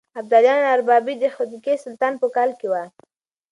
د ابدالیانو اربابي د خدکي سلطان په کاله کې وه.